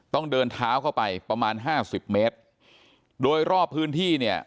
ต้องเดินเท้าเข้าไปประมาณห้าสิบเมตรโดยรอบพื้นที่เนี่ย